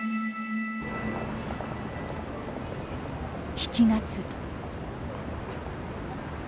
７月。